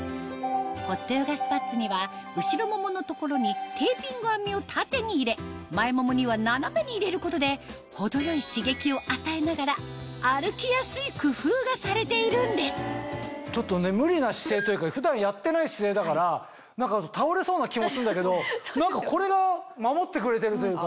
ホットヨガスパッツには後ろももの所にテーピング編みを縦に入れ前ももには斜めに入れることで程よい刺激を与えながら歩きやすい工夫がされているんですちょっと無理な姿勢というか普段やってない姿勢だから倒れそうな気もするんだけどこれが守ってくれてるというか。